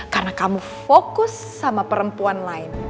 karena kamu fokus sama perempuan lain